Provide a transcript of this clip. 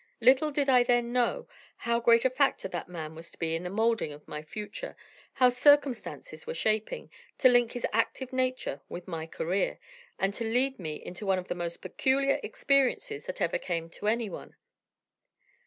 Little did I then know how great a factor that man was to be in the moulding of my future how circumstances were shaping, to link his active nature with my career, and to lead me into one of the most peculiar experiences that ever came to any one.